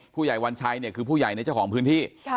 วัญชัยเนี่ยคือผู้ใหญ่ในเจ้าของพื้นที่